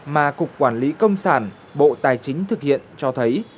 mà cục quản lý công sản bộ tài chính thực hiện cho thấy